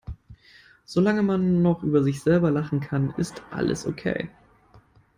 Solange man noch über sich selber lachen kann, ist alles okay.